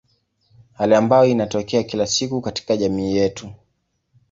Hali ambayo inatokea kila siku katika jamii yetu.